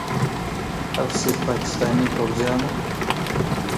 او صرف پاکستان پوځیانو